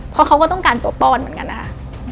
เพราะเขาก็ต้องการตัวป้อนเหมือนกันนะคะ